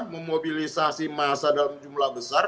memobilisasi massa dalam jumlah besar